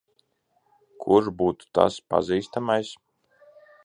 Kurš būtu tas pazīstamais?